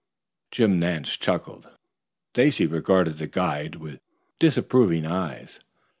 Jim Nance chuckled. Stacy regarded the guide with disapproving eyes.